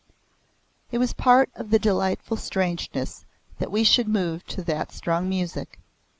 It was part of the delightful strangeness that we should move to that strong music.